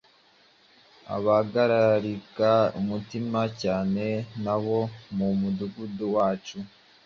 bahagarika imitima cyane y’abo mu mudugudu wacu;